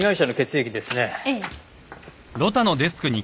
ええ。